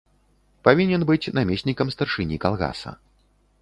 Павінен быць намеснікам старшыні калгаса.